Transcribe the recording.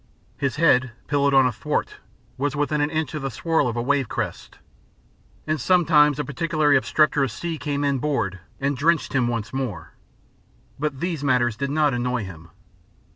His head, pillowed on a thwart, was within an inch of the swirl of a wave crest, and sometimes a particularly obstreperous sea came in board and drenched him once more. But these matters did not annoy him.